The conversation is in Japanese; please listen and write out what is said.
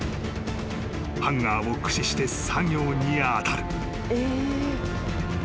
［ハンガーを駆使して作業に当たる］